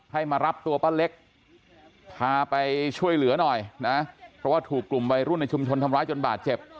มารับตัวป้าเล็กพาไปช่วยเหลือหน่อยนะเพราะว่าถูกกลุ่มวัยรุ่นในชุมชนทำร้ายจนบาดเจ็บ